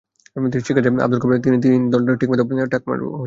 শিক্ষার্থী আবদুল্লাহেল কাফি বলে, তিন দিন ধরে পাঠদান ঠিকমতো হচ্ছে না।